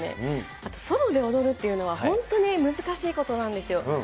あとソロで踊るっていうのは、本当に難しいことなんですよ。